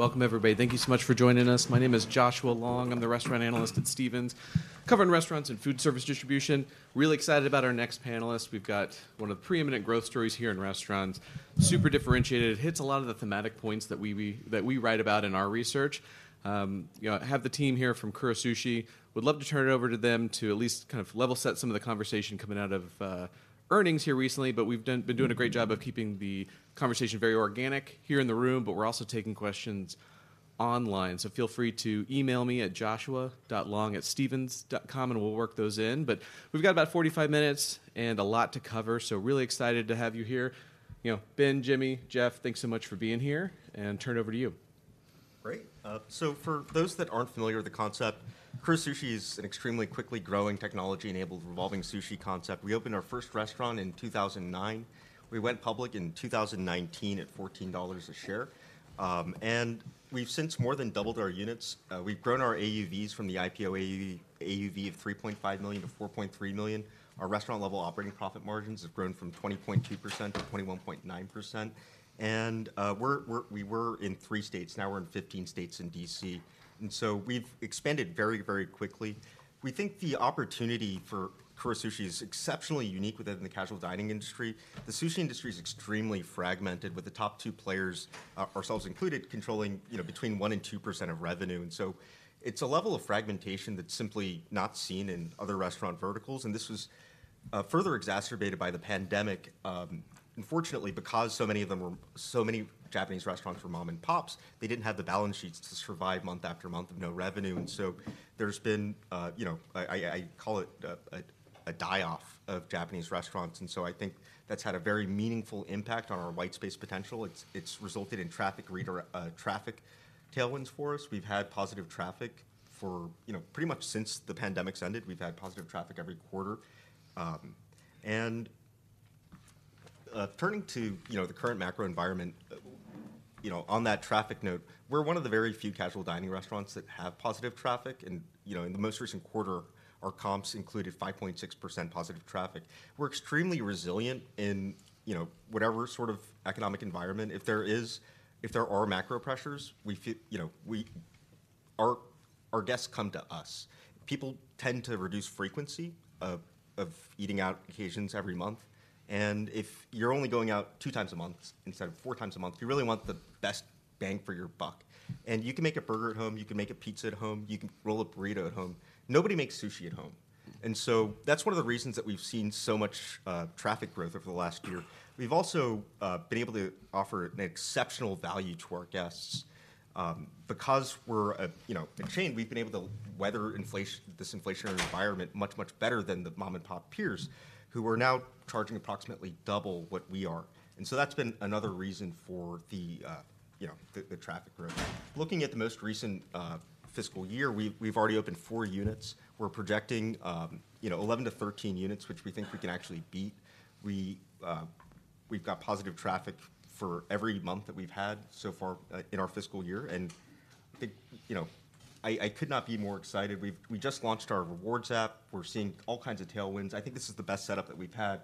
Welcome, everybody. Thank you so much for joining us. My name is Joshua Long. I'm the restaurant analyst at Stephens, covering restaurants and food service distribution. Really excited about our next panelist. We've got one of the preeminent growth stories here in restaurants, super differentiated. It hits a lot of the thematic points that we write about in our research. You know, I have the team here from Kura Sushi. Would love to turn it over to them to at least kind of level set some of the conversation coming out of earnings here recently, but we've been doing a great job of keeping the conversation very organic here in the room, but we're also taking questions online. So feel free to email me at joshua.long@stephens.com, and we'll work those in. But we've got about 45 minutes and a lot to cover, so really excited to have you here. You know, Ben, Jimmy, Jeff, thanks so much for being here, and turn it over to you. Great. So for those that aren't familiar with the concept, Kura Sushi is an extremely quickly growing technology-enabled revolving sushi concept. We opened our first restaurant in 2009. We went public in 2019 at $14 a share. And we've since more than doubled our units. We've grown our AUVs from the IPO AUV, AUV of $3.5 million to $4.3 million. Our restaurant-level operating profit margins have grown from 20.2% to 21.9%. And we're- we were in three states, now we're in 15 states and D.C. And so we've expanded very, very quickly. We think the opportunity for Kura Sushi is exceptionally unique within the casual dining industry. The sushi industry is extremely fragmented, with the top two players, ourselves included, controlling, you know, between 1% and 2% of revenue. So it's a level of fragmentation that's simply not seen in other restaurant verticals, and this was further exacerbated by the pandemic. Unfortunately, because so many Japanese restaurants were mom-and-pops, they didn't have the balance sheets to survive month after month of no revenue. And so there's been, you know, I call it a die-off of Japanese restaurants, and so I think that's had a very meaningful impact on our white space potential. It's resulted in traffic tailwinds for us. We've had positive traffic for, you know, pretty much since the pandemic ended, we've had positive traffic every quarter. And turning to, you know, the current macro environment, you know, on that traffic note, we're one of the very few casual dining restaurants that have positive traffic. You know, in the most recent quarter, our comps included 5.6% positive traffic. We're extremely resilient in, you know, whatever sort of economic environment. If there are macro pressures, you know, our guests come to us. People tend to reduce frequency of eating out occasions every month. And if you're only going out two times a month instead of four times a month, you really want the best bang for your buck. And you can make a burger at home, you can make a pizza at home, you can roll a burrito at home. Nobody makes sushi at home. And so that's one of the reasons that we've seen so much traffic growth over the last year. We've also been able to offer an exceptional value to our guests. Because we're you know a chain, we've been able to weather inflation, this inflationary environment much much better than the mom-and-pop peers, who are now charging approximately double what we are. And so that's been another reason for you know the traffic growth. Looking at the most recent fiscal year, we've already opened four units. We're projecting you know 11-13 units, which we think we can actually beat. We've got positive traffic for every month that we've had so far in our fiscal year, and I think you know I could not be more excited. We just launched our rewards app. We're seeing all kinds of tailwinds. I think this is the best setup that we've had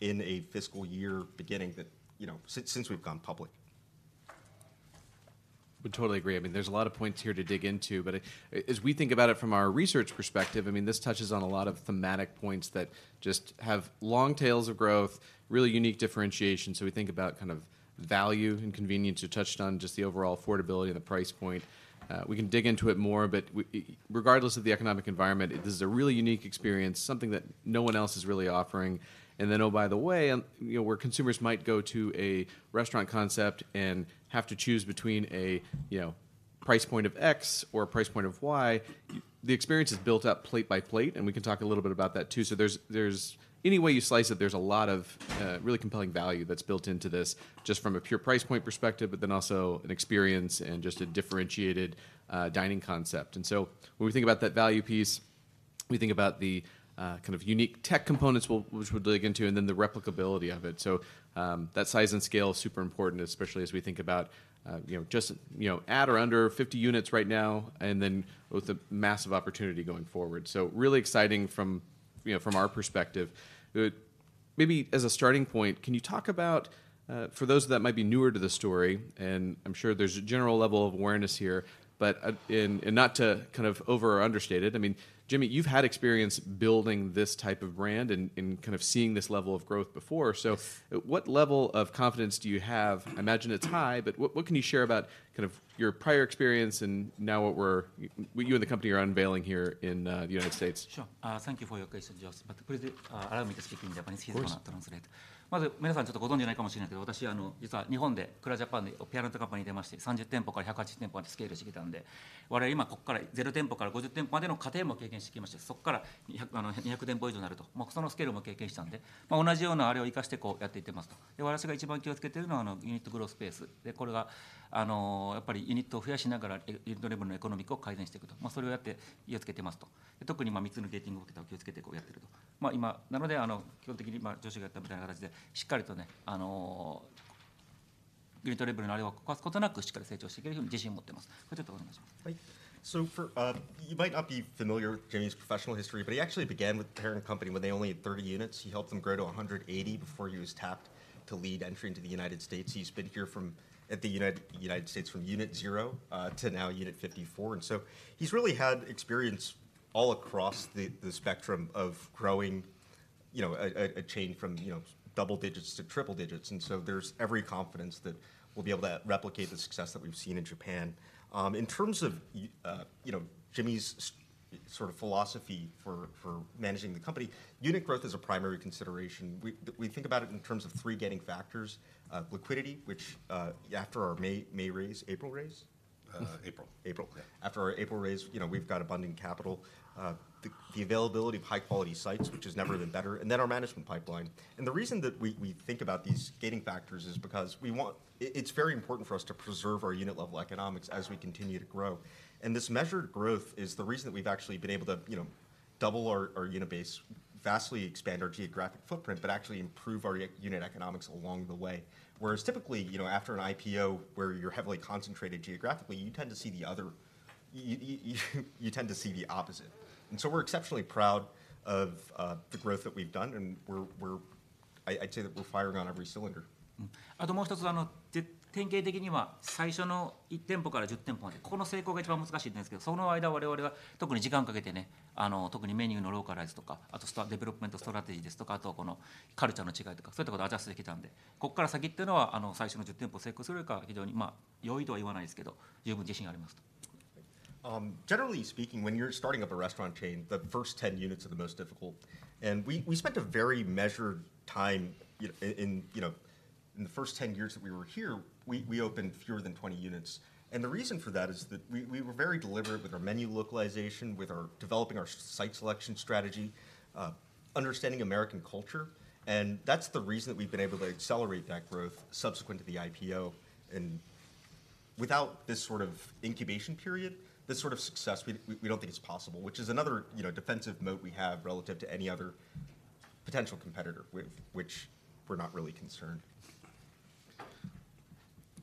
in a fiscal year beginning that you know since we've gone public. Would totally agree. I mean, there's a lot of points here to dig into, but, as we think about it from our research perspective, I mean, this touches on a lot of thematic points that just have long tails of growth, really unique differentiation. So we think about kind of value and convenience. You touched on just the overall affordability and the price point. We can dig into it more, but regardless of the economic environment, this is a really unique experience, something that no one else is really offering. And then, oh, by the way, you know, where consumers might go to a restaurant concept and have to choose between a, you know, price point of X or a price point of Y, the experience is built up plate by plate, and we can talk a little bit about that too. So there's any way you slice it, there's a lot of really compelling value that's built into this, just from a pure price point perspective, but then also an experience and just a differentiated dining concept. And so when we think about that value piece, we think about the kind of unique tech components which we'll dig into, and then the replicability of it. So that size and scale is super important, especially as we think about you know, just you know, at or under 50 units right now, and then with a massive opportunity going forward. So really exciting from you know, from our perspective. Maybe as a starting point, can you talk about for those that might be newer to the story, and I'm sure there's a general level of awareness here, but and not to kind of over or understate it, I mean, Jimmy, you've had experience building this type of brand and kind of seeing this level of growth before. So, what level of confidence do you have? I imagine it's high, but what can you share about kind of your prior experience and now what we're- what you and the company are unveiling here in the United States? Sure. Thank you for your question, Josh. But please, allow me to speak in Japanese- Of course so I can translate.... So you might not be familiar with Jimmy's professional history, but he actually began with the parent company when they only had 30 units. He helped them grow to 180 before he was tapped to lead entry into the United States. He's been here from the United States, from unit zero to now unit 54. And so he's really had experience all across the spectrum of growing, you know, a chain from, you know, double digits to triple digits. And so there's every confidence that we'll be able to replicate the success that we've seen in Japan. In terms of you know, Jimmy's sort of philosophy for managing the company, unit growth is a primary consideration. We think about it in terms of three gating factors: liquidity, which, after our April raise? Uh, April. April. Yeah. After our April raise, you know, we've got abundant capital, the availability of high-quality sites, which has never been better, and then our management pipeline. And the reason that we think about these gating factors is because we want... it's very important for us to preserve our unit-level economics as we continue to grow. And this measured growth is the reason that we've actually been able to, you know, double our unit base, vastly expand our geographic footprint, but actually improve our unit economics along the way. Whereas typically, you know, after an IPO, where you're heavily concentrated geographically, you tend to see the other... you tend to see the opposite. And so we're exceptionally proud of the growth that we've done, and we're, I'd say that we're firing on every cylinder. Mm. あと、もう一つ、あの、典型的には、最初の1店舗から10店舗まで、この成功が一番難しいんですけど、その間、我々は特に時間をかけてね、あの、特にメニューのローカライズとか、あとストアデベロップメントストラテジーですとか、あとこのカルチャーの違いとか、そういったことをアジャストできたんで、ここから先っていうのは、あの、最初の10店舗を成功するよりかは非常に、まあ、易しいとは言いませんけど、十分自信ありますと。Generally speaking, when you're starting up a restaurant chain, the first 10 units are the most difficult. And we spent a very measured time, you know, in the first 10 years that we were here, we opened fewer than 20 units. And the reason for that is that we were very deliberate with our menu localization, with our developing our site selection strategy, understanding American culture, and that's the reason that we've been able to accelerate that growth subsequent to the IPO. And without this sort of incubation period, this sort of success, we don't think is possible, which is another, you know, defensive moat we have relative to any other potential competitor, which we're not really concerned.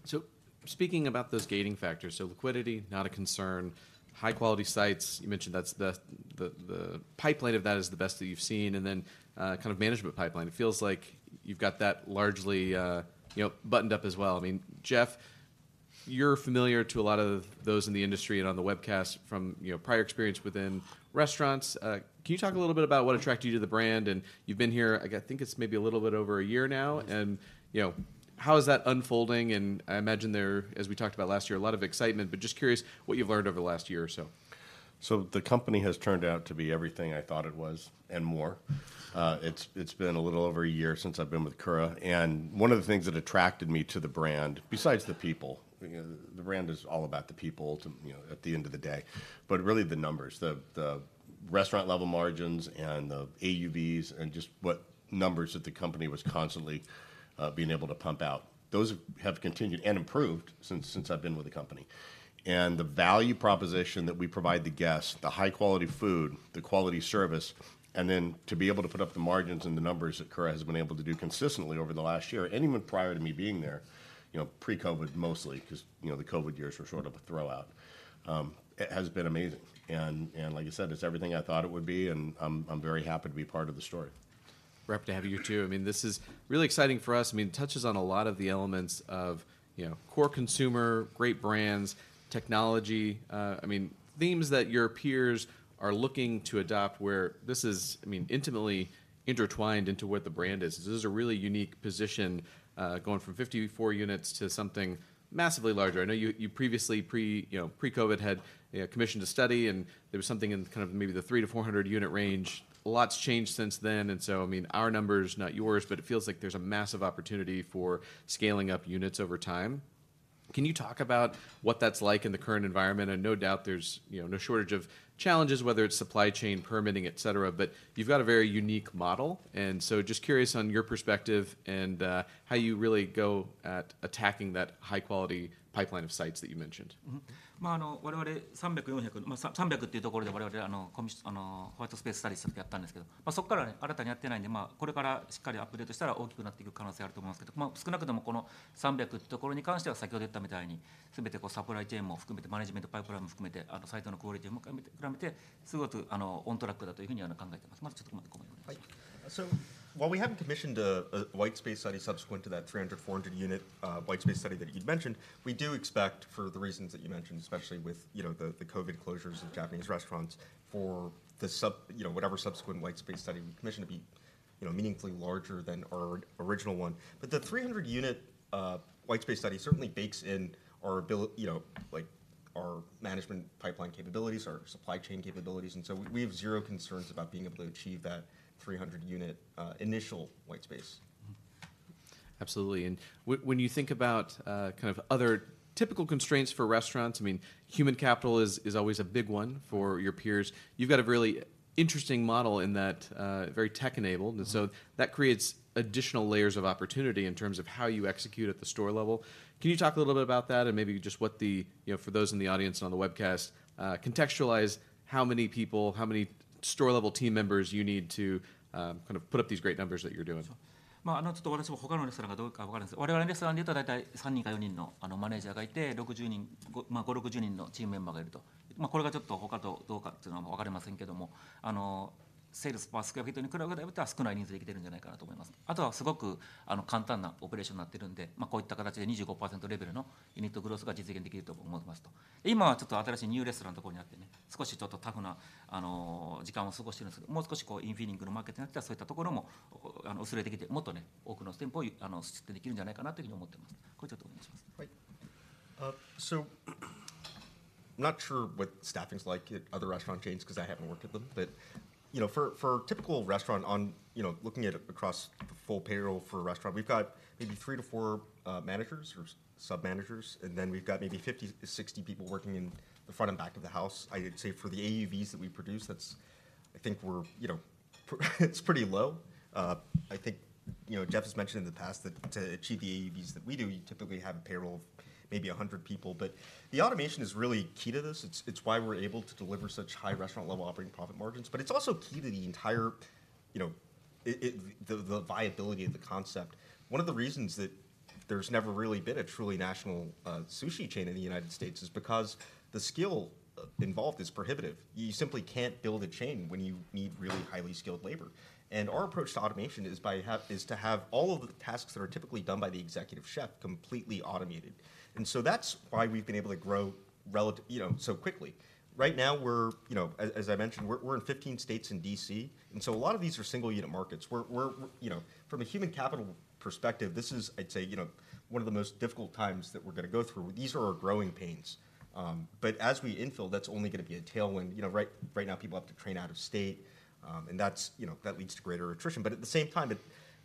So speaking about those gating factors, so liquidity, not a concern. High quality sites, you mentioned that's the pipeline of that is the best that you've seen. And then, kind of management pipeline, it feels like you've got that largely, you know, buttoned up as well. I mean, Jeff, you're familiar to a lot of those in the industry and on the webcast from, you know, prior experience within restaurants. Can you talk a little bit about what attracted you to the brand? And you've been here, I think it's maybe a little bit over a year now. Yes. You know, how is that unfolding? And I imagine there, as we talked about last year, a lot of excitement, but just curious what you've learned over the last year or so. So the company has turned out to be everything I thought it was and more. It's been a little over a year since I've been with Kura, and one of the things that attracted me to the brand, besides the people, you know, the brand is all about the people, ultimately you know, at the end of the day, but really the numbers. The restaurant-level margins and the AUVs and just what numbers that the company was constantly being able to pump out. Those have continued and improved since I've been with the company. The value proposition that we provide the guests, the high-quality food, the quality service, and then to be able to put up the margins and the numbers that Kura has been able to do consistently over the last year, and even prior to me being there, you know, pre-COVID mostly, 'cause, you know, the COVID years were sort of a throw-out, it has been amazing. And like I said, it's everything I thought it would be, and I'm very happy to be part of the story. We're happy to have you, too. I mean, this is really exciting for us. I mean, it touches on a lot of the elements of, you know, core consumer, great brands, technology, I mean, themes that your peers are looking to adopt, where this is, I mean, intimately intertwined into what the brand is. This is a really unique position, going from 54 units to something massively larger. I know you previously, you know, pre-COVID had commissioned a study, and there was something in kind of maybe the 300-400 unit range. A lot's changed since then, and so, I mean, our numbers, not yours, but it feels like there's a massive opportunity for scaling up units over time. Can you talk about what that's like in the current environment? No doubt there's, you know, no shortage of challenges, whether it's supply chain, permitting, et cetera, but you've got a very unique model, and so just curious on your perspective and how you really go at attacking that high-quality pipeline of sites that you mentioned? Mm-hmm. まあ、あの、我々300、400... まあ、300ってところで、我々、あの、White Space Studyしたときあったんですけど、まあ、そこからね、新たにやってないんで、まあ、これからしっかりupdateしたら大きくなっていく可能性あると思いますけど、まあ、少なくともこの300ってところに関しては、先ほど言ったみたいに、全てこう、supply chainも含めて、management pipelineも含めて、あとsiteのqualityも含めて考えて、すごく、あの、on trackだというふうに、あの、考えてます。まあ、ちょっとここまでです。So while we haven't commissioned a white space study subsequent to that 300-400 unit white space study that you'd mentioned, we do expect, for the reasons that you mentioned, especially with, you know, the COVID closures of Japanese restaurants, for the, you know, whatever subsequent white space study we commission to be, you know, meaningfully larger than our original one. But the 300-unit white space study certainly bakes in our ability, you know, like, our management pipeline capabilities, our supply chain capabilities, and so we have zero concerns about being able to achieve that 300-unit initial white space. Mm-hmm. Absolutely. And when you think about kind of other typical constraints for restaurants, I mean, human capital is always a big one for your peers. You've got a really interesting model in that very tech-enabled- Mm-hmm... and so that creates additional layers of opportunity in terms of how you execute at the store level. Can you talk a little bit about that and maybe just what the, you know, for those in the audience on the webcast, contextualize how many people, how many store-level team members you need to kind of put up these great numbers that you're doing? まあ、あの、ちょっと私も他のレストランがどうかは分からんだけど、我々のレストランで言ったら、大体3人か4人の、あの、マネージャーがいて、60人... まあ、50-60人のチームメンバーがいると。まあ、これがちょっと他とどうかというのは分かりませんが、あの、セールスパースクエア人に比べたら少ない人数でいけてるんじゃないかなと思います。あとはすごく、あの、簡単なオペレーションになってるんで、まあ、こういった形で25%レベルのユニットグロスが実現できると思いますと。今はちょっと新しいニューレストランのところにあってね、少しちょっとタフな、あの、時間を過ごしてるんですけど、もう少しこう、インフィリングのマーケットになったら、そういったところも、あの、薄れてきて、もっとね、多くの店舗を、あの、出店できるんじゃないかなというふうに思ってます。これちょっとお願いします。Right. So I'm not sure what staffing's like at other restaurant chains, 'cause I haven't worked at them. But, you know, for a typical restaurant on, you know, looking at it across the full payroll for a restaurant, we've got maybe 3-4 managers or submanagers, and then we've got maybe 50-60 people working in the front and back of the house. I'd say for the AUVs that we produce, that's... I think we're, you know, it's pretty low. I think, you know, Jeff has mentioned in the past that to achieve the AUVs that we do, you typically have a payroll of maybe 100 people. But the automation is really key to this. It's, it's why we're able to deliver such high restaurant-level operating profit margins. But it's also key to the entire, you know, the viability of the concept. One of the reasons that there's never really been a truly national sushi chain in the United States is because the skill involved is prohibitive. You simply can't build a chain when you need really highly skilled labor. Our approach to automation is to have all of the tasks that are typically done by the executive chef completely automated. So that's why we've been able to grow you know, so quickly. Right now, you know, as I mentioned, we're in 15 states and D.C., and so a lot of these are single-unit markets. You know... From a human capital perspective, this is, I'd say, you know, one of the most difficult times that we're gonna go through. These are our growing pains. But as we infill, that's only gonna be a tailwind. You know, right, right now, people have to train out of state, and that's, you know, that leads to greater attrition. But at the same time,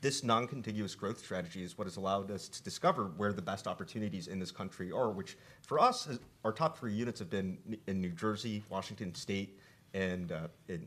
this non-contiguous growth strategy is what has allowed us to discover where the best opportunities in this country are, which, for us, is our top three units have been in New Jersey, Washington State, and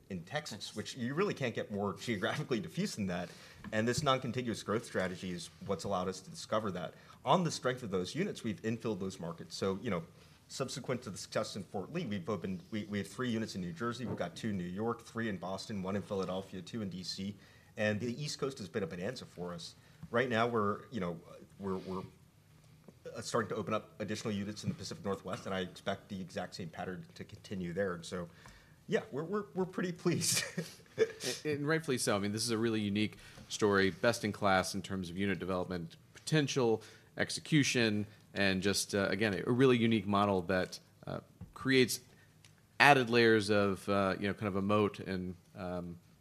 in Texas, which you really can't get more geographically diffuse than that. And this non-contiguous growth strategy is what's allowed us to discover that. On the strength of those units, we've infilled those markets. So, you know, subsequent to the success in Fort Lee, we've opened, we have three units in New Jersey. Mm-hmm. We've got two in New York, three in Boston, one in Philadelphia, two in D.C., and the East Coast has been a bonanza for us. Right now, we're, you know, we're starting to open up additional units in the Pacific Northwest, and I expect the exact same pattern to continue there. And so, yeah, we're pretty pleased. And rightfully so. I mean, this is a really unique story, best-in-class in terms of unit development, potential, execution, and just, again, a really unique model that creates added layers of, you know, kind of a moat and,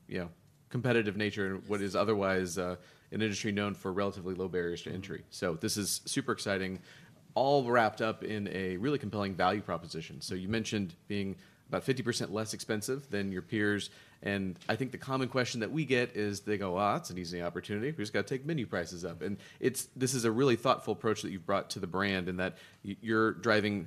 you know, competitive nature- Yes... in what is otherwise, an industry known for relatively low barriers to entry. Mm-hmm. So this is super exciting, all wrapped up in a really compelling value proposition. So you mentioned being about 50% less expensive than your peers, and I think the common question that we get is, they go, "Oh, that's an easy opportunity. We've just gotta take menu prices up." And this is a really thoughtful approach that you've brought to the brand, in that you're driving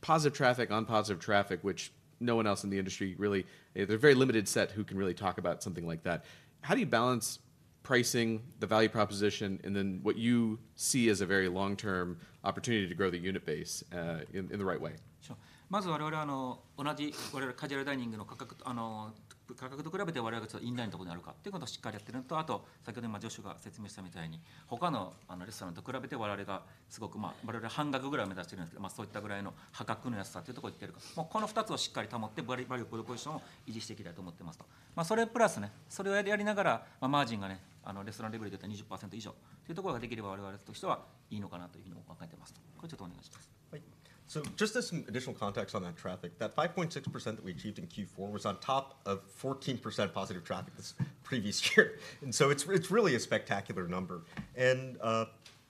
positive traffic on positive traffic, which no one else in the industry really... There are a very limited set who can really talk about something like that. How do you balance pricing, the value proposition, and then what you see as a very long-term opportunity to grow the unit base, in the right way? Sure. まず、我々、あの、同じ我々カジュアルダイニングの価格と、あの、価格と比べて我々がちょっとインラインのところにあるっていうことをしっかりやってるのと、あと先ほどまあ上司が説明したみたいに、他の、あの、レストランと比べて我々がすごく、まあ、我々半額ぐらいを目指してるんですけど、まあそういったぐらいの破格の安さっていうところでいってるか。もうこの二つをしっかり保って、value propositionを維持していきたいと思ってますと。まあ、それプラスね、それやりながら、まあマージンがね、あのレストランレベルで言ったら20%以上っていうところが出来れば我々としてはいいのかなというふうに思ってますと。これちょっとお願いします。Right. So just as some additional context on that traffic, that 5.6% that we achieved in Q4 was on top of 14% positive traffic this previous year. And so it's, it's really a spectacular number. And,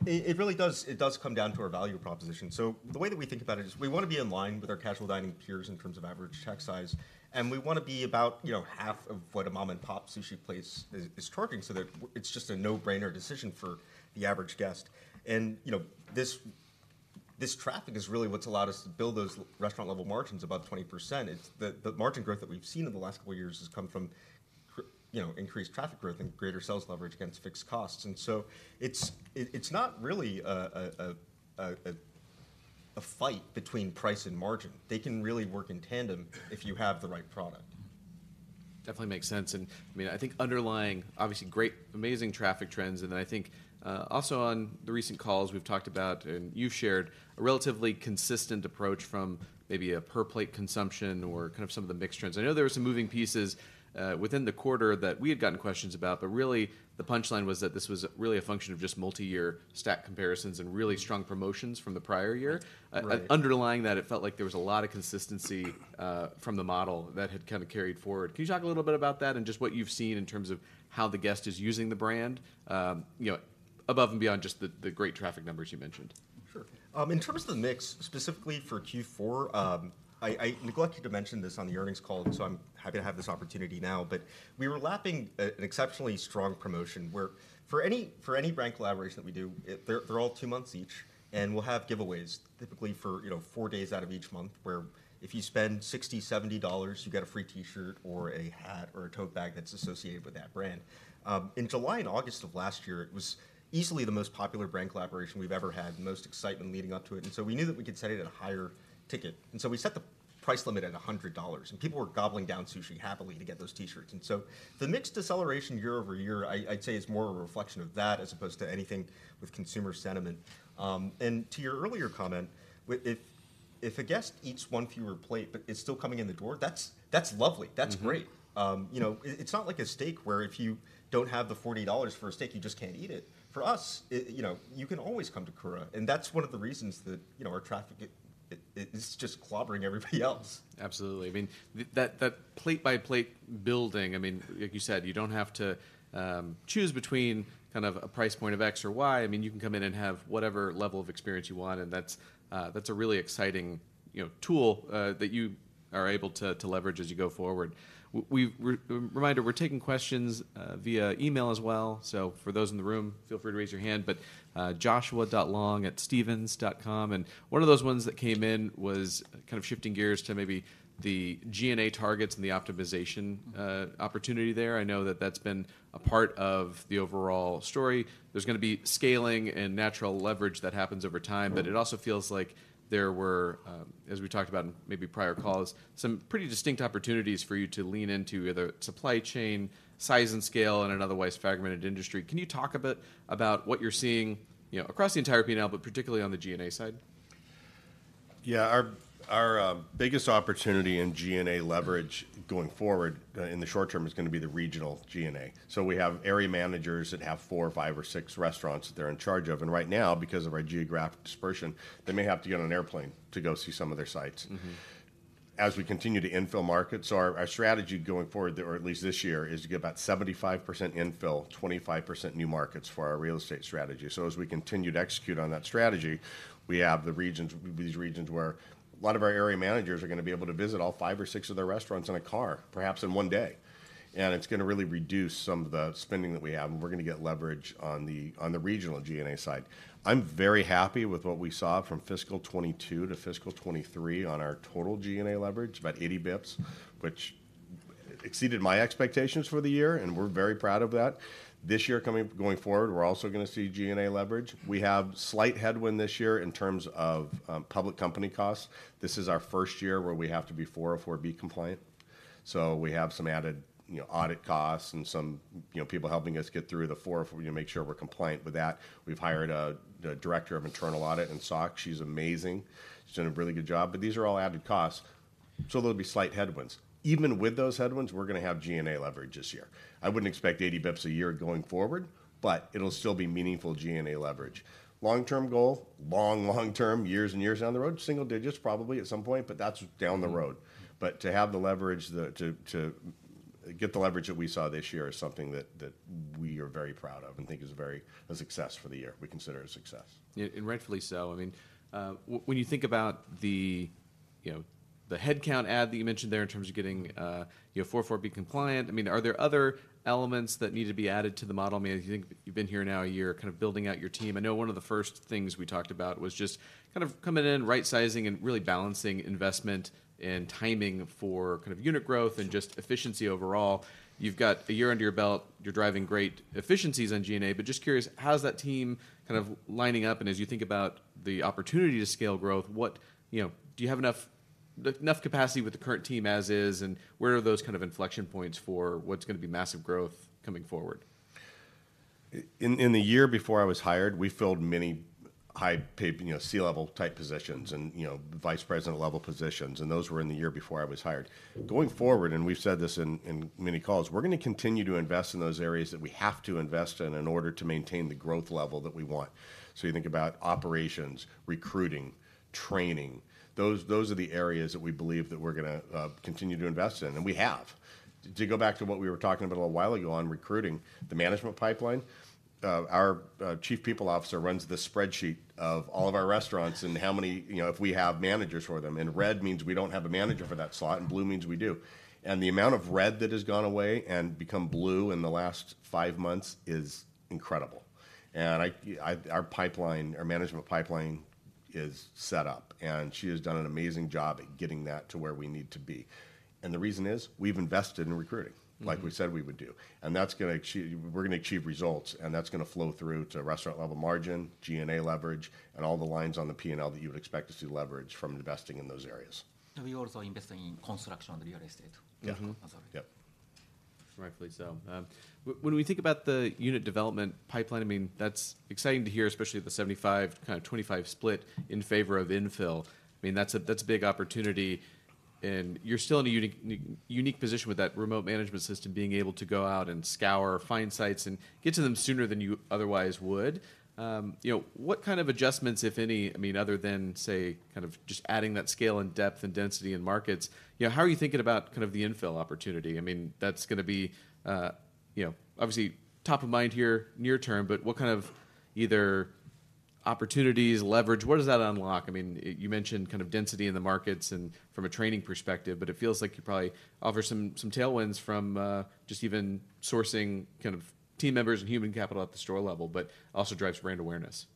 it, it really does, it does come down to our value proposition. So the way that we think about it is, we wanna be in line with our casual dining peers in terms of average check size, and we wanna be about, you know, half of what a mom-and-pop sushi place is charging, so that it's just a no-brainer decision for the average guest. And, you know, this, this traffic is really what's allowed us to build those restaurant-level margins above 20%. It's... The margin growth that we've seen in the last couple years has come from, you know, increased traffic growth and greater sales leverage against fixed costs. And so it's not really a fight between price and margin. They can really work in tandem if you have the right product. Definitely makes sense. And, I mean, I think underlying, obviously, great, amazing traffic trends, and then I think, also on the recent calls, we've talked about, and you've shared, a relatively consistent approach from maybe a per-plate consumption or kind of some of the mix trends. I know there were some moving pieces, within the quarter that we had gotten questions about, but really, the punchline was that this was really a function of just multi-year stack comparisons- Mm-hmm... and really strong promotions from the prior year. Right. Underlying that, it felt like there was a lot of consistency from the model that had kind of carried forward. Can you talk a little bit about that and just what you've seen in terms of how the guest is using the brand, you know, above and beyond just the great traffic numbers you mentioned? Sure. In terms of the mix, specifically for Q4, I neglected to mention this on the earnings call, so I'm happy to have this opportunity now. But we were lapping an exceptionally strong promotion, where for any brand collaboration that we do, they're all two months each, and we'll have giveaways, typically, you know, for four days out of each month, where if you spend $60-70, you get a free T-shirt or a hat or a tote bag that's associated with that brand. In July and August of last year, it was easily the most popular brand collaboration we've ever had, the most excitement leading up to it, and so we knew that we could set it at a higher ticket. And so we set the pr-... price limit at $100, and people were gobbling down sushi happily to get those T-shirts. And so the mixed deceleration year-over-year, I, I'd say, is more a reflection of that as opposed to anything with consumer sentiment. And to your earlier comment, if a guest eats one fewer plate but it's still coming in the door, that's, that's lovely. Mm-hmm. That's great. You know, it's not like a steak where if you don't have the $40 for a steak, you just can't eat it. For us, you know, you can always come to Kura, and that's one of the reasons that, you know, our traffic, it's just clobbering everybody else. Absolutely. I mean, that plate-by-plate building, I mean, like you said, you don't have to choose between kind of a price point of X or Y. I mean, you can come in and have whatever level of experience you want, and that's a really exciting, you know, tool that you are able to leverage as you go forward. We've a reminder, we're taking questions via email as well, so for those in the room, feel free to raise your hand. But, joshua.long@stephens.com. And one of those ones that came in was kind of shifting gears to maybe the G&A targets and the optimization- Mm-hmm... opportunity there. I know that that's been a part of the overall story. There's gonna be scaling and natural leverage that happens over time- Mm-hmm... but it also feels like there were, as we talked about in maybe prior calls, some pretty distinct opportunities for you to lean into, whether supply chain, size and scale in an otherwise fragmented industry. Can you talk a bit about what you're seeing, you know, across the entire P&L, but particularly on the G&A side? Yeah. Our biggest opportunity in G&A leverage going forward, in the short term, is gonna be the regional G&A. So we have area managers that have four or five or six restaurants that they're in charge of, and right now, because of our geographic dispersion, they may have to get on an airplane to go see some of their sites. Mm-hmm. As we continue to infill markets, our strategy going forward, or at least this year, is to get about 75% infill, 25% new markets for our real estate strategy. So as we continue to execute on that strategy, we have the regions, these regions where a lot of our area managers are gonna be able to visit all five or six of their restaurants in a car, perhaps in one day, and it's gonna really reduce some of the spending that we have, and we're gonna get leverage on the regional G&A side. I'm very happy with what we saw from fiscal 2022 to fiscal 2023 on our total G&A leverage, about 80 bips, which exceeded my expectations for the year, and we're very proud of that. This year coming, going forward, we're also gonna see G&A leverage. We have slight headwind this year in terms of public company costs. This is our first year where we have to be 404 compliant, so we have some added, you know, audit costs and some, you know, people helping us get through the 404 to make sure we're compliant with that. We've hired the director of internal audit and SOC. She's amazing. She's done a really good job, but these are all added costs, so there'll be slight headwinds. Even with those headwinds, we're gonna have G&A leverage this year. I wouldn't expect 80 basis points a year going forward, but it'll still be meaningful G&A leverage. Long-term goal, long-term, years and years down the road, single digits probably at some point, but that's down the road. Mm-hmm. But to have the leverage to get the leverage that we saw this year is something that we are very proud of and think is very a success for the year. We consider it a success. Yeah, and rightfully so. I mean, when you think about the, you know, the headcount add that you mentioned there in terms of getting, you know, 404 compliant, I mean, are there other elements that need to be added to the model? I mean, as you think... You've been here now a year, kind of building out your team. I know one of the first things we talked about was just kind of coming in, right-sizing, and really balancing investment and timing for kind of unit growth and just efficiency overall. You've got a year under your belt. You're driving great efficiencies on G&A, but just curious, how's that team kind of lining up? And as you think about the opportunity to scale growth, what... You know, do you have enough, enough capacity with the current team as is, and where are those kind of inflection points for what's gonna be massive growth coming forward? In the year before I was hired, we filled many high-paid, you know, C-level type positions and, you know, vice president-level positions, and those were in the year before I was hired. Going forward, and we've said this in many calls, we're gonna continue to invest in those areas that we have to invest in in order to maintain the growth level that we want. So you think about operations, recruiting, training. Those are the areas that we believe that we're gonna continue to invest in, and we have. To go back to what we were talking about a little while ago on recruiting, the management pipeline, our Chief People Officer runs this spreadsheet of all of our restaurants and how many you know, if we have managers for them. Red means we don't have a manager for that slot, and blue means we do. The amount of red that has gone away and become blue in the last five months is incredible. I, our pipeline, our management pipeline is set up, and she has done an amazing job at getting that to where we need to be. The reason is, we've invested in recruiting- Mm-hmm... like we said we would do. And we're gonna achieve results, and that's gonna flow through to restaurant-level margin, G&A leverage, and all the lines on the P&L that you would expect to see leverage from investing in those areas. We're also investing in construction of the real estate. Yeah. Also. Yep. Rightfully so. When we think about the unit development pipeline, I mean, that's exciting to hear, especially the 75, kind of 25 split in favor of infill. I mean, that's a, that's a big opportunity, and you're still in a unique position with that remote management system, being able to go out and scour, find sites, and get to them sooner than you otherwise would. You know, what kind of adjustments, if any, I mean, other than, say, kind of just adding that scale and depth and density in markets, you know, how are you thinking about kind of the infill opportunity? I mean, that's gonna be, you know, obviously top of mind here near term, but what kind of either opportunities, leverage, what does that unlock? I mean, you mentioned kind of density in the markets and from a training perspective, but it feels like you probably offer some tailwinds from just even sourcing kind of team members and human capital at the store level, but also drives brand awareness.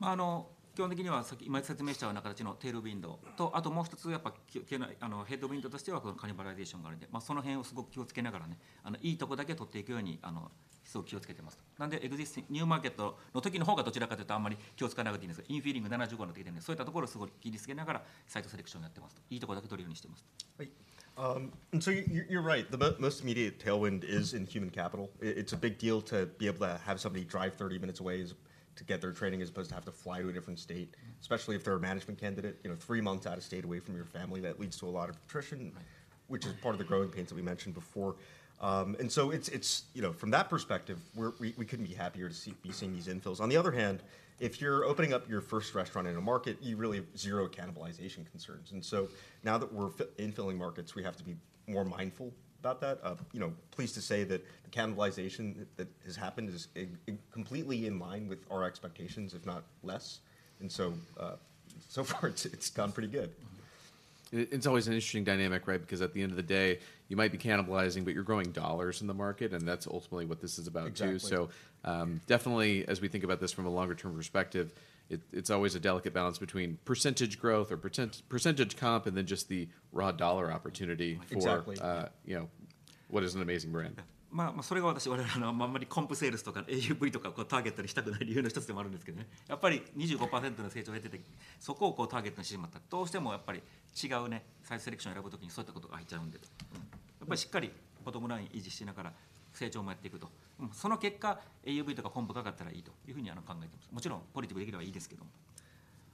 tailwind.... ヘッドウィンドとしては、このキャニバライゼーションがあるので、まあ、その辺をすごく気をつけながらね、あの、いいとこだけ取っていくように、あの、すごく気をつけてますと。なので、エグジスティング、ニューマーケットの時のほうがどちらかと言うと、あんまり気を使わなくて良いんですけど、インフィーリング75の時に、そういったところをすごい気をつけながら、サイトセレクションやってますと。いいところだけ取るようにしてますと。Yes. And so you're right. The most immediate tailwind is in human capital. It's a big deal to be able to have somebody drive 30 minutes away is to get their training, as opposed to have to fly to a different state, especially if they're a management candidate. You know, 3 months out of state, away from your family, that leads to a lot of attrition- Right... which is part of the growing pains that we mentioned before. And so it's. You know, from that perspective, we couldn't be happier to be seeing these infills. On the other hand, if you're opening up your first restaurant in a market, you really have zero cannibalization concerns. And so now that we're infilling markets, we have to be more mindful about that. You know, pleased to say that the cannibalization that has happened is completely in line with our expectations, if not less. And so, so far, it's gone pretty good. It's always an interesting dynamic, right? Because at the end of the day, you might be cannibalizing, but you're growing dollars in the market, and that's ultimately what this is about, too. Exactly. So, definitely, as we think about this from a longer-term perspective, it's always a delicate balance between percentage growth or percentage comp, and then just the raw dollar opportunity for- Exactly... you know, what is an amazing brand. yeah. まあ、それが我々の、まあ、あんまり comp sales とか AUV とか、こう target にしたくない理由の一つでもあるんですけどね。やっぱり 25% の成長率で、そこを、こう target にしてしまったら、どうしてもやっぱり違うね、site selection 選ぶ時に、そういったことが入っちゃうんですよ。うん。やっぱりしっかり bottom line 維持しながら、成長もやっていくよ。うん。その結果、AUV とか comp 高かったらいいというふうに、あの、考えてます。もちろん、positive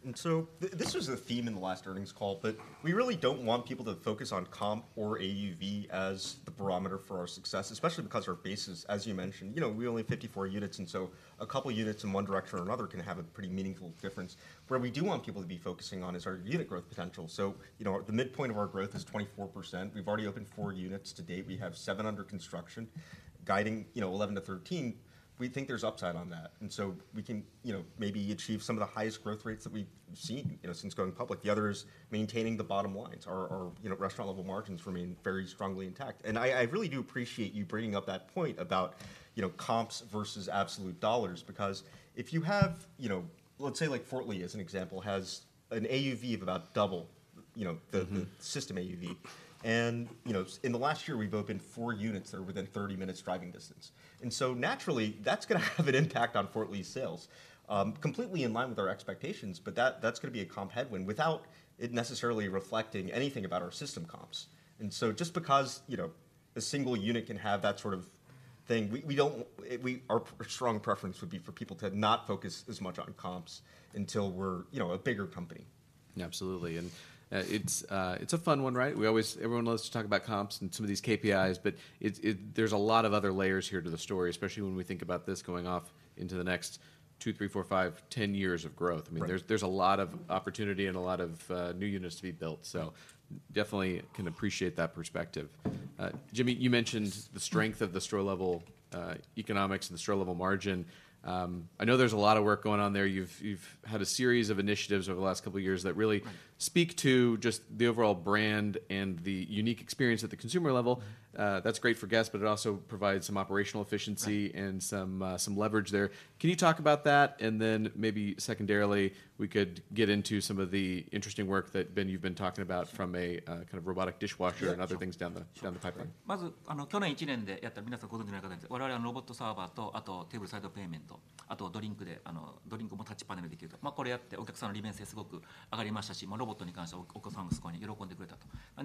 で来ればいいですけども。This was a theme in the last earnings call, but we really don't want people to focus on comp or AUV as the barometer for our success, especially because our base is, as you mentioned... You know, we only have 54 units, and so a couple units in one direction or another can have a pretty meaningful difference. Where we do want people to be focusing on is our unit growth potential. So, you know, our midpoint of our growth is 24%. We've already opened 4 units to date. We have seven under construction, guiding, you know, 11-13. We think there's upside on that. And so we can, you know, maybe achieve some of the highest growth rates that we've seen, you know, since going public. The other is maintaining the bottom lines. Our, you know, restaurant-level margins remain very strongly intact. And I really do appreciate you bringing up that point about, you know, comps versus absolute dollars, because if you have, you know... Let's say, like, Fort Lee, as an example, has an AUV of about double, you know- Mm-hmm... the system AUV. And, you know, in the last year, we've opened four units that are within 30 minutes driving distance. And so naturally, that's gonna have an impact on Fort Lee's sales, completely in line with our expectations, but that's gonna be a comp headwind without it necessarily reflecting anything about our system comps. And so just because, you know, a single unit can have that sort of thing, we don't, our strong preference would be for people to not focus as much on comps until we're, you know, a bigger company. Absolutely. It's a fun one, right? Everyone loves to talk about comps and some of these KPIs, but there's a lot of other layers here to the story, especially when we think about this going off into the next two, three, four, five, 10 years of growth. Right. I mean, there's a lot of opportunity and a lot of new units to be built, so definitely can appreciate that perspective. Jimmy, you mentioned the strength of the store-level economics and the store-level margin. I know there's a lot of work going on there. You've had a series of initiatives over the last couple of years that really- Right... speak to just the overall brand and the unique experience at the consumer level. That's great for guests, but it also provides some operational efficiency- Right... and some leverage there. Can you talk about that? And then maybe secondarily, we could get into some of the interesting work that, Ben, you've been talking about from a kind of robotic dishwasher- Yeah, sure... and other things down the- Sure... down the pipeline. First, last year, as many of you know, we implemented the robot server, table-side payment, and drink service, where drinks can also be ordered via the touch panel. This really improved customer convenience, and regarding the robot, children were especially delighted.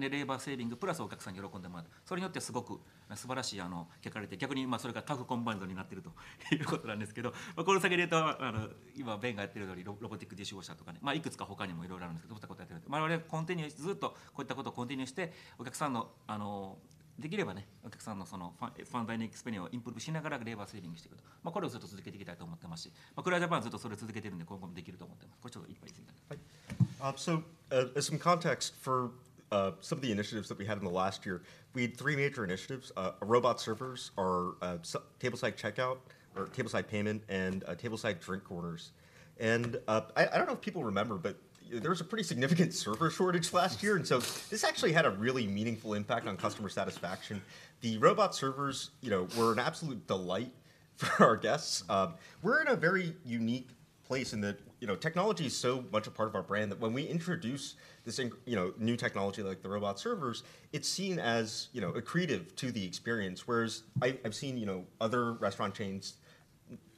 So, it’s both labor-saving and something that makes customers happy. As a result, we saw really great outcomes, and in fact, that has become a kind of combined effect. Looking ahead, as Ben is working on now, things like the robotic dishwasher, and there are several other initiatives as well, we are continuing to do these kinds of things. We will continue to do this for our customers, and... できればね、お客さんの、その、fine dining experienceをimproveしながら、labor savingしていくと。まあ、これをずっと続けていきたいと思ってますし、まあ、Kura Japanはずっとそれを続けてるので、今後もできると思ってます。これちょっと一杯すぎた。Hi. So, as some context for some of the initiatives that we had in the last year, we had three major initiatives: robot servers, our tableside checkout, or tableside payment, and tableside drink orders. I don't know if people remember, but you know, there was a pretty significant server shortage last year, and so this actually had a really meaningful impact on customer satisfaction. The robot servers, you know, were an absolute delight for our guests. We're in a very unique place in that, you know, technology is so much a part of our brand, that when we introduce this, you know, new technology like the robot servers, it's seen as, you know, accretive to the experience. Whereas I've seen, you know, other restaurant chains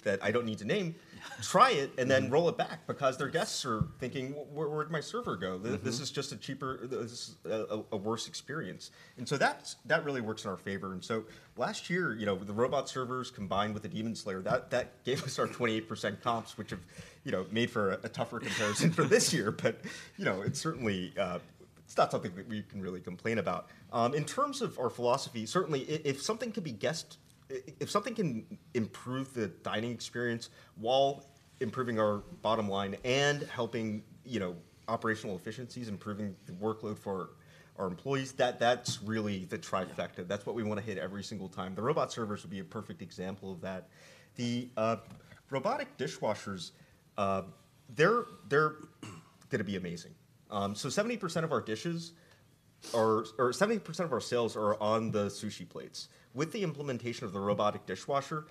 that I don't need to name, try it. Mm-hmm... and then roll it back because their guests are thinking, "where, where did my server go? Mm-hmm. This is just a cheaper, this is a worse experience." And so that really works in our favor. And so last year, you know, the robot servers, combined with the Demon Slayer, that gave us our 28% comps, which have, you know, made for a tougher comparison for this year. But, you know, it's certainly... It's not something that we can really complain about. In terms of our philosophy, certainly if something can be guest-facing, if something can improve the dining experience while improving our bottom line and helping, you know, operational efficiencies, improving the workload for our employees, that's really the trifecta. Right. That's what we wanna hit every single time. The robot servers would be a perfect example of that. The robotic dishwashers, they're gonna be amazing. So 70% of our dishes, or 70% of our sales are on the sushi plates. With the implementation of the robotic dishwasher,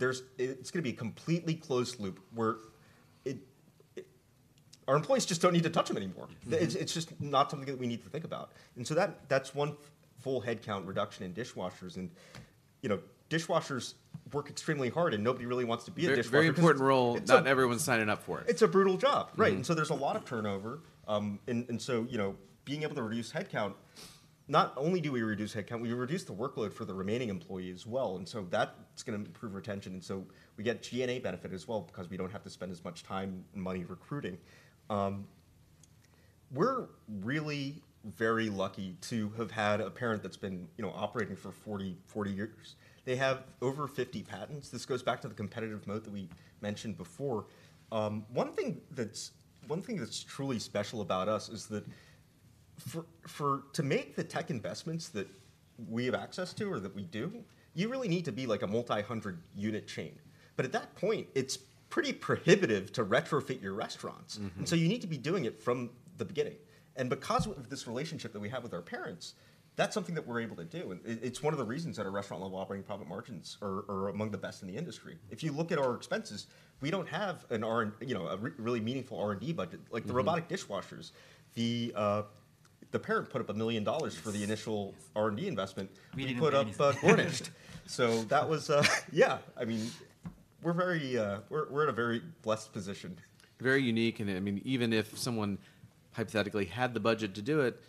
it's gonna be a completely closed loop, where our employees just don't need to touch them anymore. Mm-hmm. It's just not something that we need to think about. And so that's one full headcount reduction in dishwashers. And you know, dishwashers work extremely hard, and nobody really wants to be a dishwasher- Very, very important role. It's a- Not everyone's signing up for it. It's a brutal job, right! Mm. So there's a lot of turnover. So, you know, being able to reduce headcount, not only do we reduce headcount, we reduce the workload for the remaining employees as well. That's gonna improve retention, and so we get G&A benefit as well because we don't have to spend as much time and money recruiting. We're really very lucky to have had a parent that's been, you know, operating for 40 years. They have over 50 patents. This goes back to the competitive moat that we mentioned before. One thing that's truly special about us is that for, to make the tech investments that we have access to or that we do, you really need to be, like, a multi-hundred-unit chain. But at that point, it's pretty prohibitive to retrofit your restaurants. Mm-hmm. You need to be doing it from the beginning. Because of this relationship that we have with our parents, that's something that we're able to do, and it's one of the reasons that our restaurant-level operating profit margins are among the best in the industry. If you look at our expenses, we don't have an R&D, and you know, a really meaningful R&D budget. Mm. Like the robotic dishwashers, the parent put up $1 million- Nice... for the initial R&D investment. We didn't put anything. We just garnished. So that was, yeah! I mean, we're very... we're in a very blessed position. Very unique, and I mean, even if someone hypothetically had the budget to do it,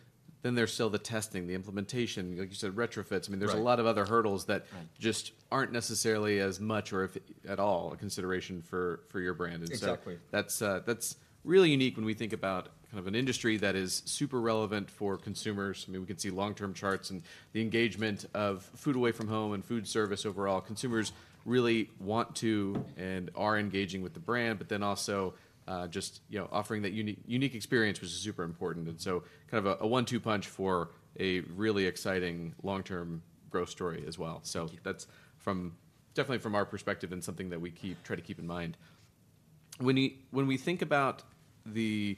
then there's still the testing, the implementation, like you said, retrofits. Right. I mean, there's a lot of other hurdles that- Right... just aren't necessarily as much or if at all, a consideration for, for your brand. And so- Exactly... that's really unique when we think about kind of an industry that is super relevant for consumers. I mean, we can see long-term charts and the engagement of food away from home and food service overall. Consumers really want to and are engaging with the brand, but then also, just, you know, offering that unique experience, which is super important. And so kind of a one-two punch for a really exciting long-term growth story as well. Yeah. So that's definitely from our perspective, and something that we try to keep in mind. When we think about the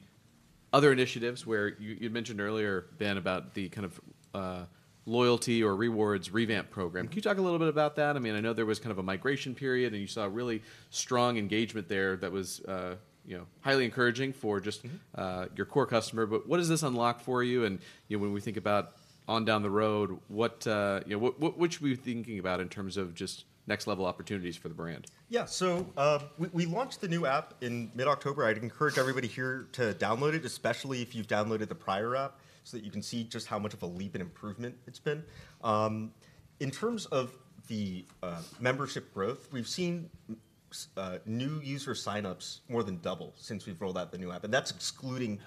other initiatives, where you mentioned earlier, Ben, about the kind of loyalty or rewards revamp program. Mm. Can you talk a little bit about that? I mean, I know there was kind of a migration period, and you saw really strong engagement there that was, you know, highly encouraging for just- Mm-hmm... your core customer. But what does this unlock for you? And, you know, when we think about down the road, you know, what should we be thinking about in terms of just next-level opportunities for the brand? Yeah. So, we launched the new app in mid-October. I'd encourage everybody here to download it, especially if you've downloaded the prior app, so that you can see just how much of a leap in improvement it's been. In terms of the membership growth, we've seen new user sign-ups more than double since we've rolled out the new app, and that's excluding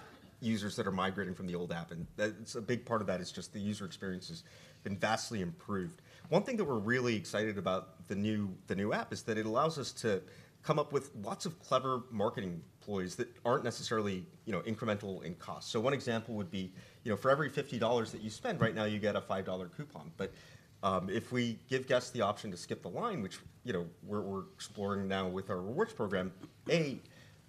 users that are migrating from the old app. And that it's a big part of that is just the user experience has been vastly improved. One thing that we're really excited about the new app is that it allows us to come up with lots of clever marketing ploys that aren't necessarily, you know, incremental in cost. So one example would be, you know, for every $50 that you spend, right now you get a $5 coupon. But, if we give guests the option to skip the line, which, you know, we're, we're exploring now with our rewards program,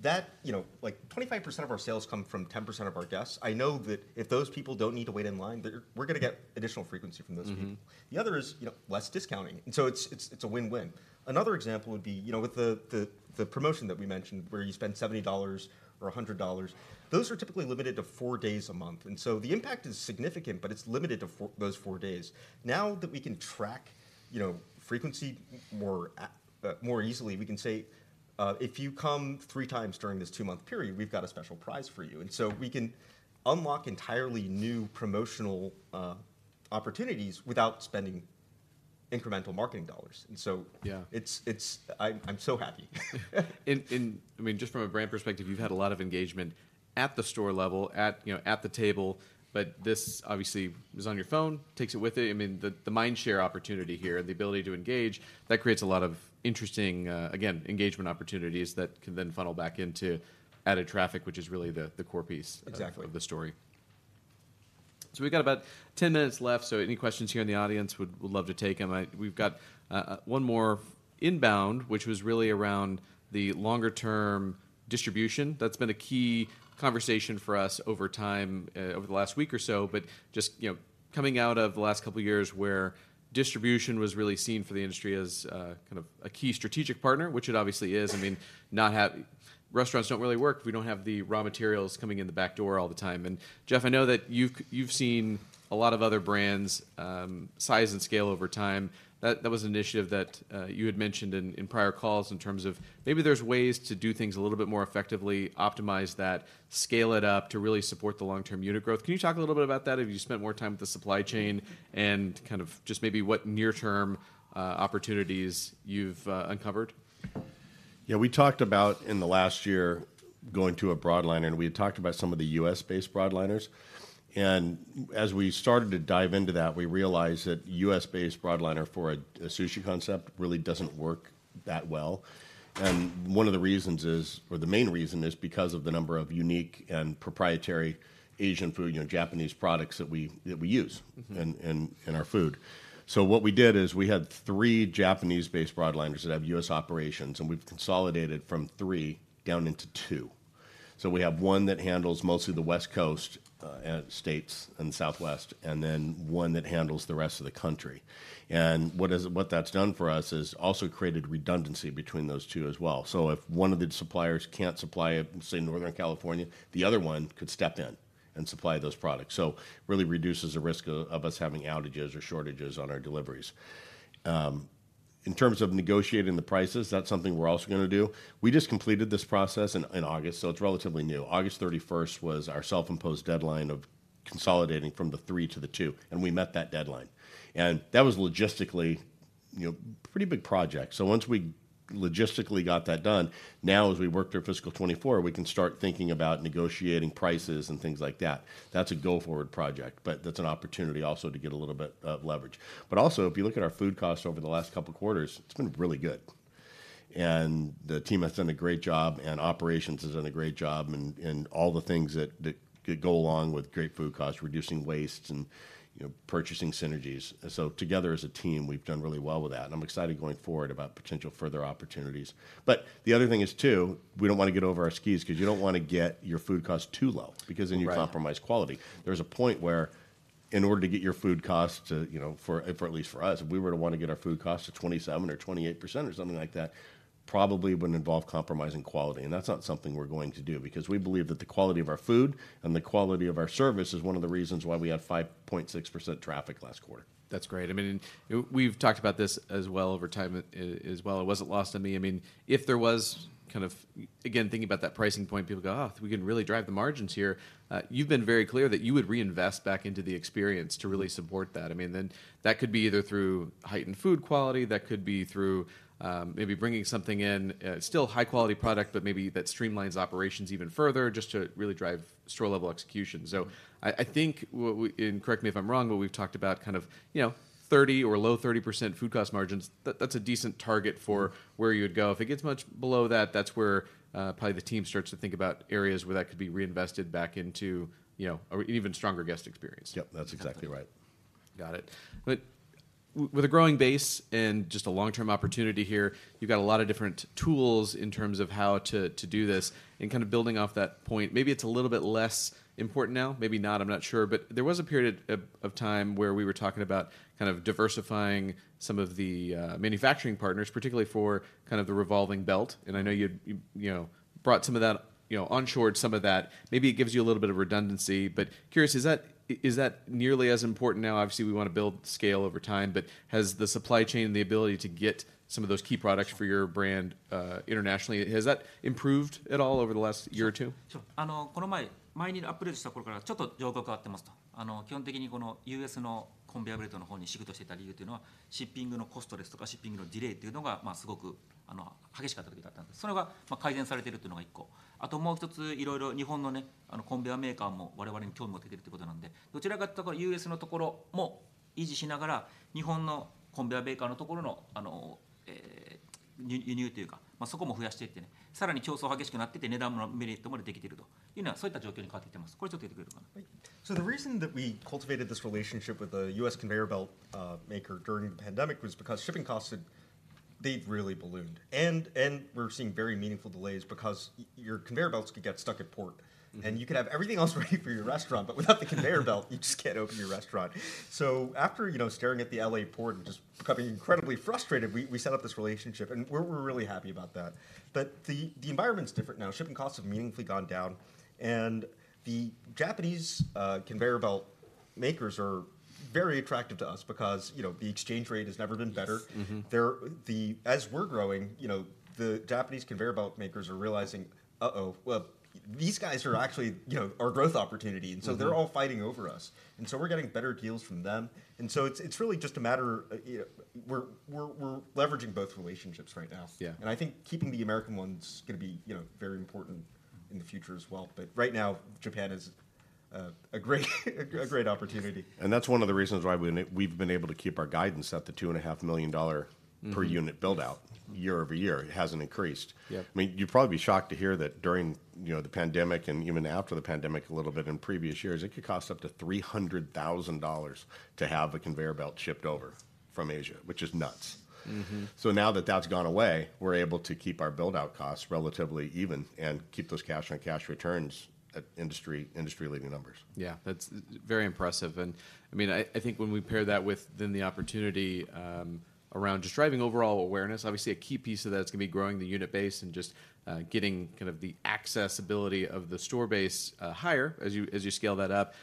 that... You know, like, 25% of our sales come from 10% of our guests. I know that if those people don't need to wait in line, they're- we're gonna get additional frequency from those people. Mm-hmm. The other is, you know, less discounting, and so it's a win-win. Another example would be, you know, with the promotion that we mentioned, where you spend $70 or $100, those are typically limited to four days a month, and so the impact is significant, but it's limited to four—those four days. Now that we can track, you know, frequency more easily, we can say, "If you come three times during this two-month period, we've got a special prize for you." And so we can unlock entirely new promotional opportunities without spending incremental marketing dollars. And so- Yeah... it's. I'm so happy. I mean, just from a brand perspective, you've had a lot of engagement at the store level, you know, at the table, but this obviously is on your phone, takes it with you. I mean, the mind share opportunity here, the ability to engage, that creates a lot of interesting, again, engagement opportunities that can then funnel back into added traffic, which is really the core piece- Exactly... of the story. So we've got about 10 minutes left, so any questions here in the audience? Would love to take them. We've got one more inbound, which was really around the longer-term distribution. That's been a key conversation for us over time, over the last week or so. But just, you know, coming out of the last couple of years where distribution was really seen for the industry as kind of a key strategic partner, which it obviously is. I mean, restaurants don't really work if we don't have the raw materials coming in the back door all the time. And Jeff, I know that you've seen a lot of other brands, size and scale over time. That, that was an initiative that you had mentioned in prior calls in terms of maybe there's ways to do things a little bit more effectively, optimize that, scale it up to really support the long-term unit growth. Can you talk a little bit about that, as you spent more time with the supply chain, and kind of just maybe what near-term opportunities you've uncovered? Yeah, we talked about, in the last year, going to a broadliner, and we had talked about some of the U.S.-based broadliners. And as we started to dive into that, we realized that U.S.-based broadliner for a, a sushi concept really doesn't work that well. And one of the reasons is, or the main reason, is because of the number of unique and proprietary Asian food, you know, Japanese products that we, that we use- Mm-hmm... in our food. So what we did is, we had three Japanese-based broadliners that have U.S. operations, and we've consolidated from three down into two. So we have one that handles mostly the West Coast, and states, and Southwest, and then one that handles the rest of the country. And what that's done for us is, also created redundancy between those two as well. So if one of the suppliers can't supply, say, Northern California, the other one could step in and supply those products. So really reduces the risk of us having outages or shortages on our deliveries. In terms of negotiating the prices, that's something we're also gonna do. We just completed this process in August, so it's relatively new. August 31st was our self-imposed deadline of consolidating from the three to the two, and we met that deadline. And that was logistically, you know, a pretty big project. So once we logistically got that done, now as we work through fiscal 2024, we can start thinking about negotiating prices and things like that. That's a go-forward project, but that's an opportunity also to get a little bit of leverage. But also, if you look at our food costs over the last couple quarters, it's been really good. And the team has done a great job, and operations has done a great job, and, and all the things that, that go along with great food costs: reducing waste and, you know, purchasing synergies. And so together as a team, we've done really well with that, and I'm excited going forward about potential further opportunities. But the other thing is, too, we don't wanna get over our skis, 'cause you don't wanna get your food costs too low- Right... because then you compromise quality. There's a point where in order to get your food costs to, you know, at least for us, if we were to wanna get our food costs to 27% or 28% or something like that, probably would involve compromising quality, and that's not something we're going to do because we believe that the quality of our food and the quality of our service is one of the reasons why we had 5.6% traffic last quarter. That's great. I mean, and we've talked about this as well over time, as well. It wasn't lost on me. I mean, if there was kind of... Again, thinking about that pricing point, people go, "Oh, we can really drive the margins here." You've been very clear that you would reinvest back into the experience to really support that. I mean, then that could be either through heightened food quality, that could be through, maybe bringing something in, still high-quality product, but maybe that streamlines operations even further, just to really drive store-level execution. So I, I think what we- and correct me if I'm wrong, but we've talked about kind of, you know, 30% or low 30% food cost margins. That, that's a decent target for where you would go. If it gets much below that, that's where probably the team starts to think about areas where that could be reinvested back into, you know, a even stronger guest experience. Yep, that's exactly right. Got it. But with a growing base and just a long-term opportunity here, you've got a lot of different tools in terms of how to do this. And kind of building off that point, maybe it's a little bit less important now, maybe not, I'm not sure, but there was a period of time where we were talking about kind of diversifying some of the manufacturing partners, particularly for kind of the revolving belt. And I know you know brought some of that onshored some of that. Maybe it gives you a little bit of redundancy, but curious, is that nearly as important now? Obviously, we wanna build scale over time, but has the supply chain and the ability to get some of those key products for your brand, internationally, has that improved at all over the last year or two? Sure. Sure. So the reason that we cultivated this relationship with a U.S. conveyor belt maker during the pandemic was because shipping costs had... They'd really ballooned, and we were seeing very meaningful delays because your conveyor belts could get stuck at port. Mm-hmm. You could have everything else ready for your restaurant, but without the conveyor belt, you just can't open your restaurant. After, you know, staring at the L.A. port and just becoming incredibly frustrated, we set up this relationship, and we're really happy about that. But the environment's different now. Shipping costs have meaningfully gone down, and the Japanese conveyor belt makers are very attractive to us because, you know, the exchange rate has never been better. Yes. Mm-hmm. As we're growing, you know, the Japanese conveyor belt makers are realizing, "Uh-oh, well, these guys are actually, you know, our growth opportunity. Mm-hmm. And so they're all fighting over us, and so we're getting better deals from them. And so it's really just a matter. You know, we're leveraging both relationships right now. Yeah. I think keeping the American one's gonna be, you know, very important in the future as well. Right now, Japan is a great opportunity. That's one of the reasons why we've been able to keep our guidance at the $2.5 million per unit. Mm... build-out year-over-year. It hasn't increased. Yep. I mean, you'd probably be shocked to hear that during, you know, the pandemic, and even after the pandemic, a little bit in previous years, it could cost up to $300,000 to have a conveyor belt shipped over from Asia, which is nuts. Mm-hmm. Now that that's gone away, we're able to keep our build-out costs relatively even and keep those cash-on-cash returns at industry-leading numbers. Yeah, that's very impressive. And I mean, I think when we pair that with then the opportunity around just driving overall awareness, obviously, a key piece of that's gonna be growing the unit base and just getting kind of the accessibility of the store base higher as you scale that up.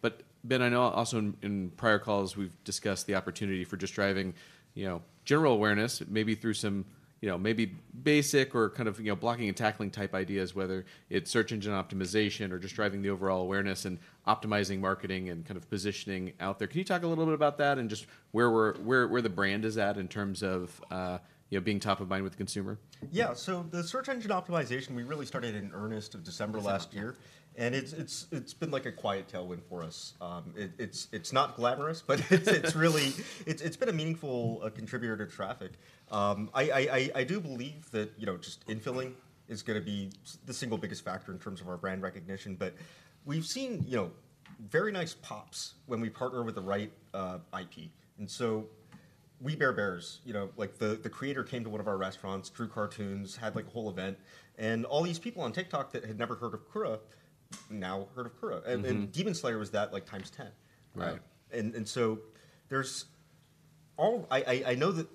But Ben, I know also in prior calls, we've discussed the opportunity for just driving, you know, general awareness, maybe through some, you know, maybe basic or kind of, you know, blocking and tackling type ideas, whether it's search engine optimization or just driving the overall awareness and optimizing marketing and kind of positioning out there. Can you talk a little bit about that and just where the brand is at in terms of, you know, being top of mind with the consumer? Yeah. So the search engine optimization, we really started in earnest of December last year. December, yeah. And it's been like a quiet tailwind for us. It's not glamorous, but it's really... it's been a meaningful contributor to traffic. I do believe that, you know, just infilling is gonna be the single biggest factor in terms of our brand recognition, but we've seen, you know, very nice pops when we partner with the right IP. And so We Bare Bears, you know, like, the creator came to one of our restaurants, drew cartoons, had, like, a whole event, and all these people on TikTok that had never heard of Kura now heard of Kura. Mm-hmm. Demon Slayer was that, like, times 10. Right. Mm-hmm. And so there's all... I know that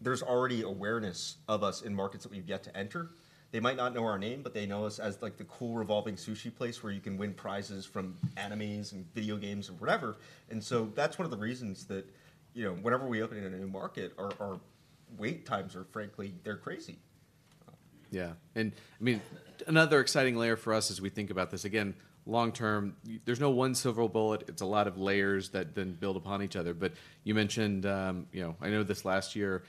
there's already awareness of us in markets that we've yet to enter. They might not know our name, but they know us as, like, the cool revolving sushi place where you can win prizes from animes and video games and whatever. And so that's one of the reasons that, you know, whenever we open in a new market, our wait times are frankly, they're crazy. ... Yeah, and I mean, another exciting layer for us as we think about this, again, long term, there's no one silver bullet. It's a lot of layers that then build upon each other. But you mentioned, you know, I know this last year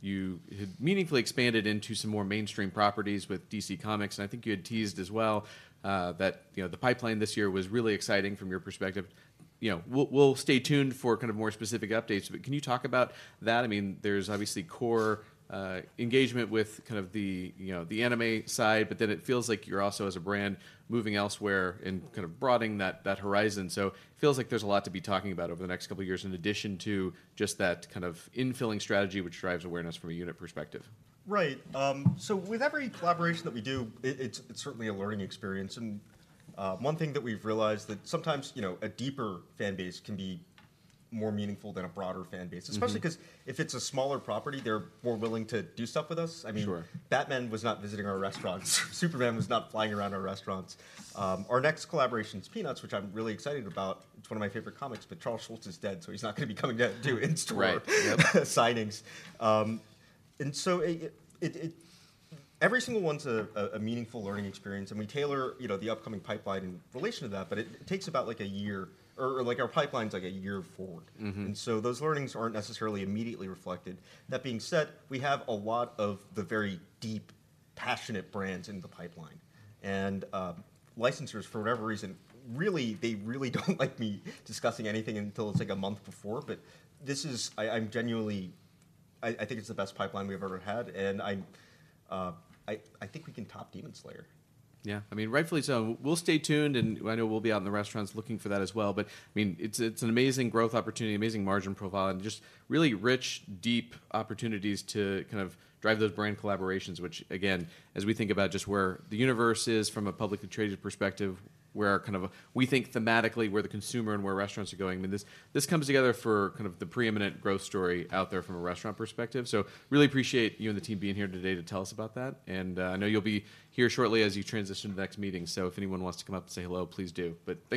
you had meaningfully expanded into some more mainstream properties with DC Comics, and I think you had teased as well, that, you know, the pipeline this year was really exciting from your perspective. You know, we'll, we'll stay tuned for kind of more specific updates, but can you talk about that? I mean, there's obviously core engagement with kind of the, you know, the anime side, but then it feels like you're also, as a brand, moving elsewhere and kind of broadening that, that horizon. It feels like there's a lot to be talking about over the next couple of years, in addition to just that kind of infilling strategy, which drives awareness from a unit perspective. Right. So with every collaboration that we do, it's certainly a learning experience. And one thing that we've realized that sometimes, you know, a deeper fan base can be more meaningful than a broader fan base- Mm-hmm... especially 'cause if it's a smaller property, they're more willing to do stuff with us. I mean- Sure... Batman was not visiting our restaurants. Superman was not flying around our restaurants. Our next collaboration is Peanuts, which I'm really excited about. It's one of my favorite comics, but Charles Schulz is dead, so he's not gonna be coming down to do in-store- Right. Yep... signings. Every single one's a meaningful learning experience, and we tailor, you know, the upcoming pipeline in relation to that, but it takes about, like, a year, or like our pipeline's, like, a year forward. Mm-hmm. And so those learnings aren't necessarily immediately reflected. That being said, we have a lot of the very deep, passionate brands in the pipeline. And, licensors, for whatever reason, really, they really don't like me discussing anything until it's, like, a month before. But this is... I'm genuinely. I think it's the best pipeline we've ever had, and I think we can top Demon Slayer. Yeah. I mean, rightfully so. We'll stay tuned, and I know we'll be out in the restaurants looking for that as well. But, I mean, it's an amazing growth opportunity, amazing margin profile, and just really rich, deep opportunities to kind of drive those brand collaborations which, again, as we think about just where the universe is from a publicly traded perspective, where kind of we think thematically, where the consumer and where restaurants are going. I mean, this comes together for kind of the pre-eminent growth story out there from a restaurant perspective. So really appreciate you and the team being here today to tell us about that. And, I know you'll be here shortly as you transition to the next meeting, so if anyone wants to come up and say hello, please do. But-